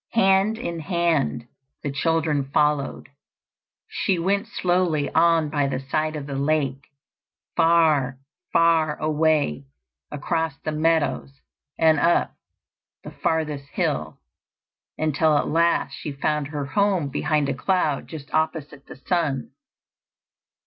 Hand in hand the children followed. She went slowly on by the side of the lake, far, far away across the meadows and up the farthest hill, until at last she found her home behind a cloud just opposite the sun.